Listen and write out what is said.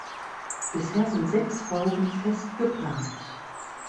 Bisher sind sechs Folgen fest geplant.